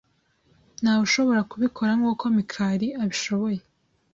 Ntawe ushobora kubikora nkuko Mikali abishoboye.